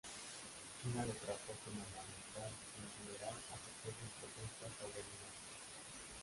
China lo trató con amabilidad y en general aceptó sus propuestas sobre negocios.